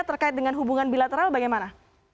terkait dengan hubungan bilateral bagaimana